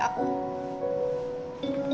aku aku suapin ya